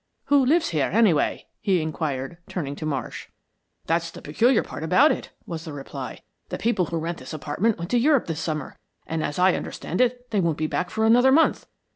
Who lives here, anyway?" he inquired, turning to Marsh. "That's the peculiar part about it," was the reply. "The people who rent this apartment went to Europe this summer, and as I understand it, they won't be back for another month.